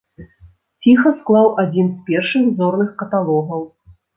Ціха склаў адзін з першых зорных каталогаў.